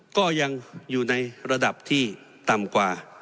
ก็ยังอยู่ในระดับที่ต่ำกว่า